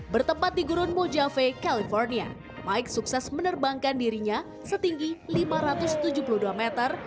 bertempat di gurun mojave california mike sukses menerbangkan dirinya setinggi lima ratus tujuh puluh dua meter